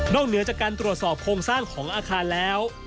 เหนือจากการตรวจสอบโครงสร้างของอาคารแล้ว